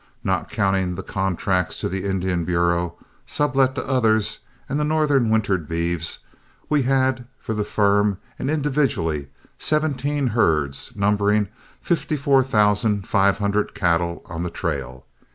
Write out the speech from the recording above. Not counting the contracts to the Indian Bureau, sublet to others, and the northern wintered beeves, we had, for the firm and individually, seventeen herds, numbering fifty four thousand five hundred cattle on the trail.